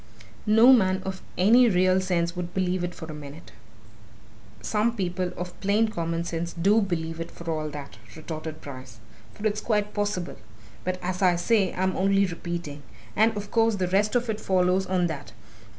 No man of any real sense would believe it for a minute!" "Some people of plain common sense do believe it for all that!" retorted Bryce. "For it's quite possible. But as I say, I'm only repeating. And of course, the rest of it follows on that.